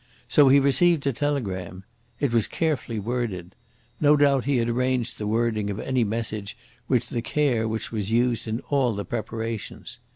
So he received a telegram. It was carefully worded. No doubt he had arranged the wording of any message with the care which was used in all the preparations.